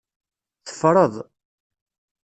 Teffreḍ.